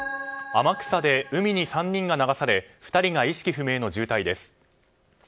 天草で、海に３人が流され２人が意識不明の重体です。